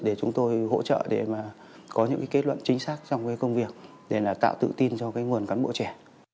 để chúng tôi hỗ trợ để có những kết luận chính xác trong công việc để tạo tự tin cho nguồn cán bộ trẻ